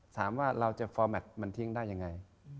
ถามว่าเราจะฟอร์แมทมันทิ้งได้ยังไง